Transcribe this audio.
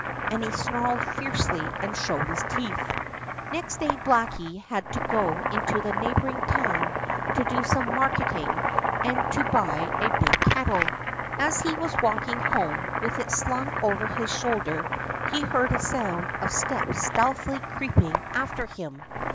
And he snarled fiercely and showed his teeth. Next day Blacky had to go into the neighboring town to do some marketing and to buy a big kettle. As he was walking home with it slung over his shoulder he heard a sound of steps stealthily creeping after him.